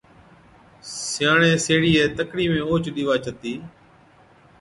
سِياڻي سيهڙِِيئَي تڪڙِي ۾ اوهچ ڏِيوا چتِي،